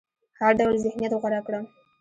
هر ډول ذهنيت غوره کړم.